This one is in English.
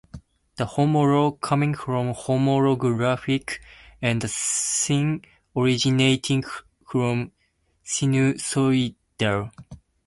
The "homolo" coming from homolographic, and the "sine" originating from sinusoidal.